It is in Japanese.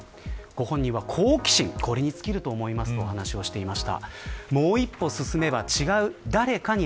ご本人は、好奇心に尽きると思います、と話しています。